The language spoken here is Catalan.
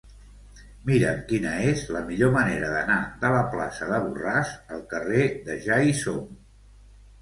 Mira'm quina és la millor manera d'anar de la plaça de Borràs al carrer de Ja-hi-som.